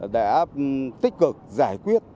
đã tích cực giải quyết